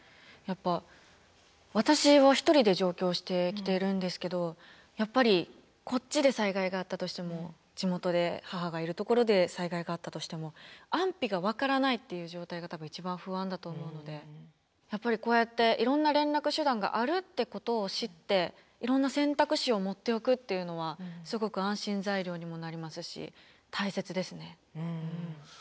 やっぱ私は１人で上京してきてるんですけどやっぱりこっちで災害があったとしても地元で母がいるところで災害があったとしても安否が分からないっていう状態が多分一番不安だと思うのでやっぱりこうやっていろんな連絡手段があるってことを知っていろんな選択肢を持っておくっていうのはすごく安心材料にもなりますし大切ですね。